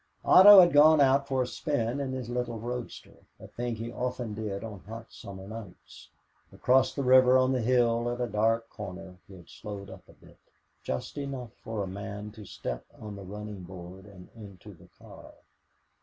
Otto had gone out for a spin in his little roadster a thing he often did on hot summer nights. Across the river on the hill at a dark corner he had slowed up a bit, just enough for a man to step on the running board and into the car.